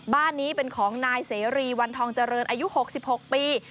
บ้านนี้เป็นของนายเสรีวันทองเจริญอายุ๖๖ปี